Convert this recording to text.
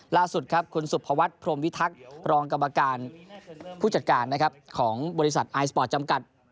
ล่าสุดครับคุณสุภวัฒน์พรมวิทักษ์รองกรรมการผู้จัดการนะครับของบริษัทไอสปอร์ตจำกัด